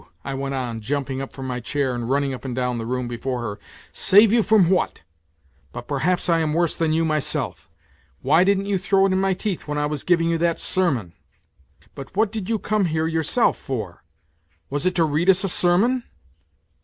" I went on, jumping up from my chair and running up and down the room before her. " Save you from what ? But perhaps I am worse than you myself. Why didn't you throw it in my teeth when I was giving you that sermon :' But what did yon come here yourself for? was it to read us a sermon